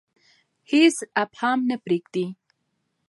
هیڅ ابهام نه پریږدي.